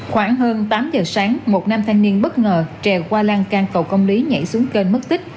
khoảng hơn tám giờ sáng một nam thanh niên bất ngờ trèo qua lan can cầu công lý nhảy xuống kênh mất tích